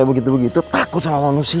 begitu begitu takut sama manusia